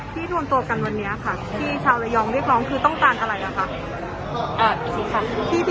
รวมตัวกันวันนี้ค่ะที่ชาวระยองเรียกร้องคือต้องการอะไรนะคะ